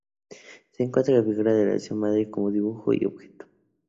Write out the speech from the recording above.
Se encuentra la figura de la Diosa Madre como dibujo y como objeto.